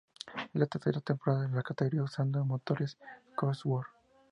Es la tercera temporada de la categoría usando motores Cosworth.